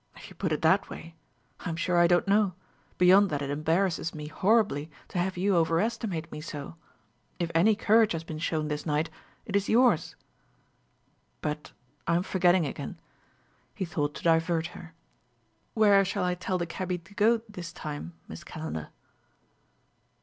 "If you put it that way, I'm sure I don't know; beyond that it embarrasses me horribly to have you overestimate me so. If any courage has been shown this night, it is yours ... But I'm forgetting again." He thought to divert her. "Where shall I tell the cabby to go this time, Miss Calendar?"